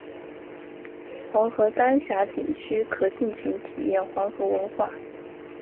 黄河丹霞景区可尽情体验黄河文化。